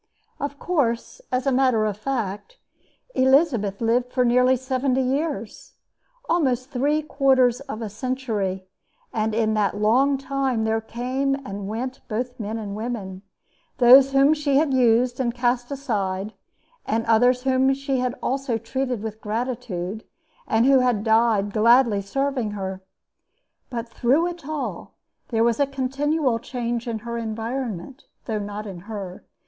Of course, as a matter of fact, Elizabeth lived for nearly seventy years almost three quarters of a century and in that long time there came and went both men and women, those whom she had used and cast aside, with others whom she had also treated with gratitude, and who had died gladly serving her. But through it all there was a continual change in her environment, though not in her.